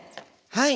はい。